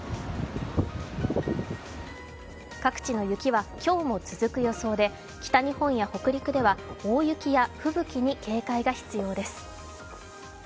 各地の雪は今日も続く予想で北日本や北陸では大雪や吹雪に警戒が必要です。